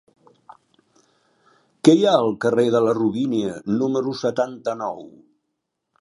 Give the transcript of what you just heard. Què hi ha al carrer de la Robínia número setanta-nou?